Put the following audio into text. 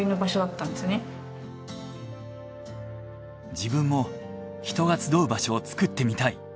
自分も人が集う場所を作ってみたい。